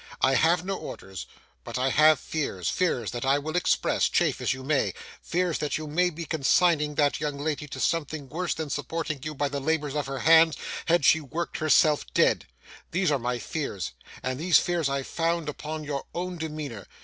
I have no orders, but I have fears fears that I will express, chafe as you may fears that you may be consigning that young lady to something worse than supporting you by the labour of her hands, had she worked herself dead. These are my fears, and these fears I found upon your own demeanour.